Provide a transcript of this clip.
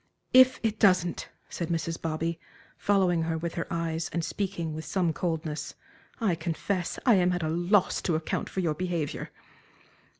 "If it doesn't," said Mrs. Bobby, following her with her eyes and speaking with some coldness, "I confess I am at a loss to account for your behavior."